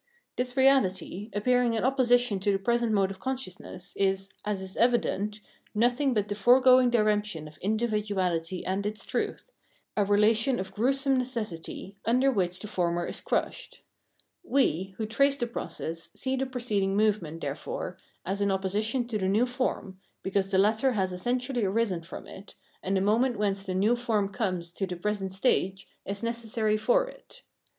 This reality, appearing in opposition to the present mode of consciousness, is, as is evident, nothing but the foregoing dixemption of individuality and its truth, a relation of gruesome necessity, under which the former is crushed. We, who trace the process, see the preceding movement, therefore, as in opposition to the new form, because the latter has essentiaUy arisen from it, and the moment whence the new form comes to the present stage is necessary for it.